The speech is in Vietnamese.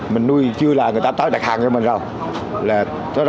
mình nuôi chưa là người ta tới đặt hàng cho mình rồi